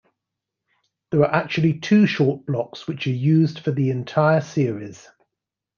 There are actually two short blocks which are used for the entire series.